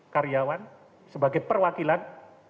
karyawan sebagai perwakilan